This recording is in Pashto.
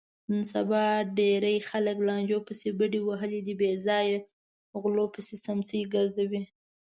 نن سبا ډېری خلکو لانجو پسې بډې وهلي دي، بېځایه غولو پسې څمڅې ګرځوي.